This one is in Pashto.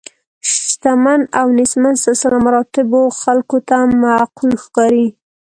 شتمن او نیستمن سلسله مراتبو خلکو ته معقول ښکاري.